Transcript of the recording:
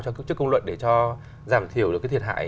cho các chức công luận để cho giảm thiểu được cái thiệt hại